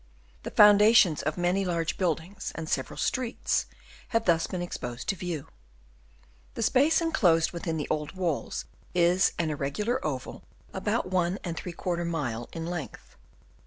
The foundations of many large buildings and several streets have thus been exposed to view. The space enclosed within the old walls is an irregular oval, about If mile in length.